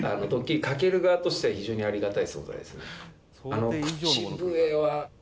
あの口笛は。